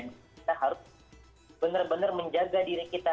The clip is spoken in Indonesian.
kita harus benar benar menjaga diri kita